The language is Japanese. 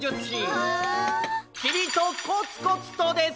「きみとコツコツと」です。